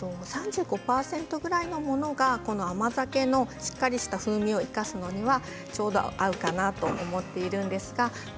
３５％くらいのものが甘酒のしっかりとした風味を生かすには合うかなと思っています。